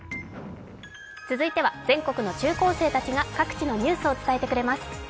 続いては全国の中高生たちが、各地のニュースを伝えてくれます。